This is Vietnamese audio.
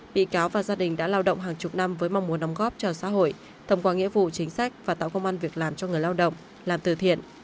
bị cáo và gia đình đã lao động hàng chục năm với mong muốn đóng góp cho xã hội thông qua nghĩa vụ chính sách và tạo công an việc làm cho người lao động làm từ thiện